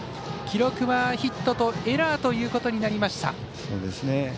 記録はヒットとエラーということになりました。